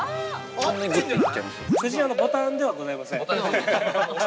ボタンではございません。